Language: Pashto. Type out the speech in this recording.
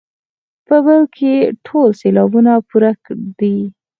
په بل کې ټول سېلابونه پوره دي.